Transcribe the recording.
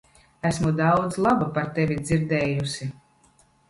Esmu daudz laba par tevi dzirdējusi.